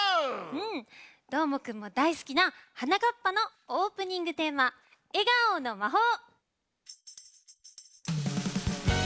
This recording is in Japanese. うんどーもくんもだいすきな「はなかっぱ」のオープニングテーマ「えがおのまほう」！